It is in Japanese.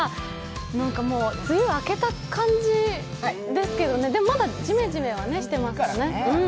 なんかもう梅雨明けた感じですけどね、でもまだジメジメはしてますよね。